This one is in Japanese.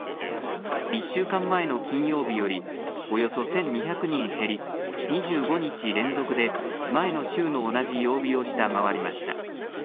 １週間前の金曜日よりおよそ１２００人減り、２５日連続で前の週の同じ曜日を下回りました。